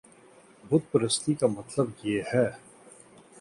بت پرستی کا مطلب یہ ہے